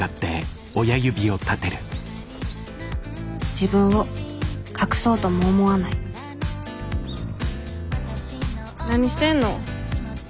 自分を隠そうとも思わない何してんの？